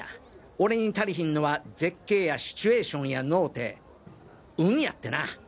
俺に足りひんのは絶景やシチュエーションやのて運やってな！